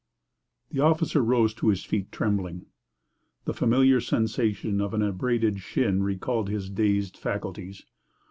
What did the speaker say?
The officer rose to his feet, trembling. The familiar sensation of an abraded shin recalled his dazed faculties.